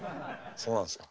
そうなんですか。